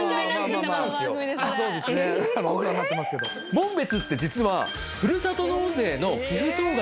紋別って実はふるさと納税の寄付総額